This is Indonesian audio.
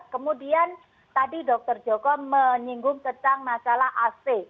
kemudian tadi dokter joko menyinggung tentang masalah ac